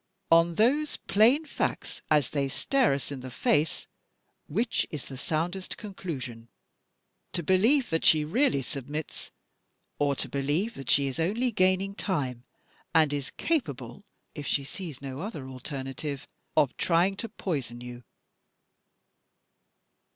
On those plain facts, as they stare us in the face, which is the soundest conclusion? To believe that she really submits or to believe that she is only gaining time, and is capable (if she sees no other alternative) of trying to poison you?"